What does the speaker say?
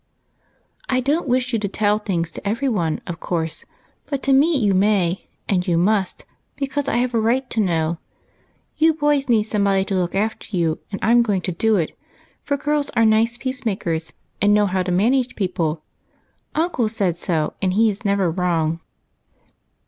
" I don't wish you to tell things to every one, of course, but to me you may, and you must, because I have a right to know. You boys need somebody to look after you, and I 'm going to do it, for girls are 12 266 EIGHT COUSINS. nice peace makers, and know how to manage people. Uncle said so, and he is never wrong."